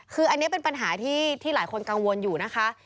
คืออันนี้เป็นปัญหาที่หลายคนกังวลอยู่นะคะ